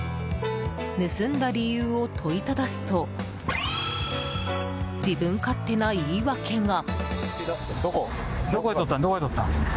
盗んだ理由を問いただすと自分勝手な言い訳が。